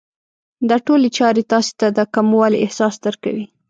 دا ټولې چارې تاسې ته د کموالي احساس درکوي.